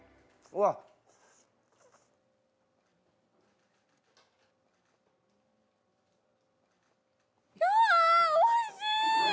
うわおいしい！